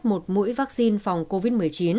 một mũi vaccine phòng covid một mươi chín